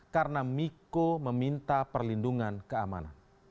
karena miko meminta perlindungan keamanan